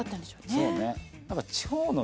そうね